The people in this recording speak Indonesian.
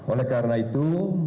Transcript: oleh karena itu